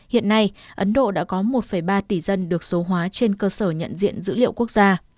hiện nay ấn độ đã có một ba tỷ dân được số hóa trên cơ sở nhận diện dữ liệu quốc gia